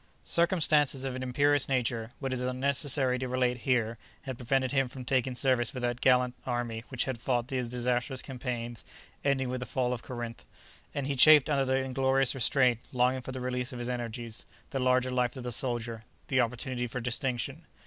Circumstances of an imperious nature, which it is unnecessary to relate here, had prevented him from taking service with that gallant army which had fought the disastrous campaigns ending with the fall of Corinth, and he chafed under the inglorious restraint, longing for the release of his energies, the larger life of the soldier, the opportunity for distinction.